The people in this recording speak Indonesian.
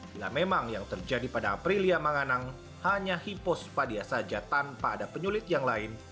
bila memang yang terjadi pada aprilia manganang hanya hipospadia saja tanpa ada penyulit yang lain